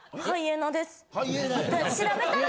調べたら。